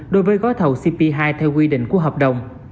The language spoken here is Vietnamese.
đối với gói thầu cp hai theo quy định của hợp đồng